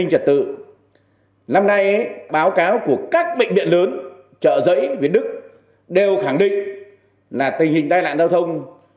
năm nay báo cáo của các bệnh viện lớn chợ rẫy viện đức đều khẳng định là tình hình tai nạn giao thông